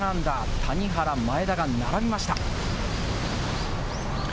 谷原と前田が並びました。